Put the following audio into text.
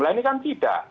lah ini kan tidak